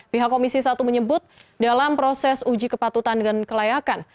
pihak komisi satu menyebut dalam proses uji kepatutan dan kelayakan